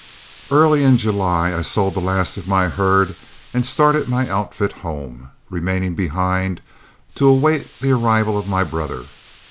Early in July I sold the last of my herd and started my outfit home, remaining behind to await the arrival of my brother.